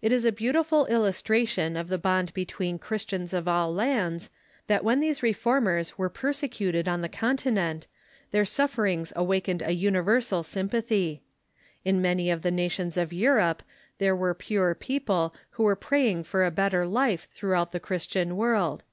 THE WALDENSES AND THE ALBIGENSKS 155 It is a beautiful illustration of the bond between Christians of all lands, that when these reformers were persecuted on the Continent their sufferinsfs awakened a universal svm Symrfathy path}'. In many of the nations of Europe there were pure people who were praying for a better life through out the Christian world.